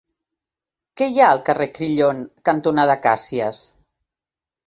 Què hi ha al carrer Crillon cantonada Acàcies?